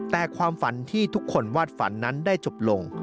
แต่ความฝันที่ทุกคนวาดฝันนั้นได้จบลง